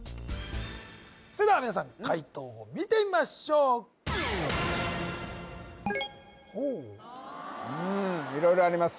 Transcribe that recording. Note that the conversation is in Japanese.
それでは皆さん解答を見てみましょうほううーん色々あります